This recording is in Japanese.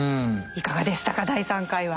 いかがでしたか第３回は。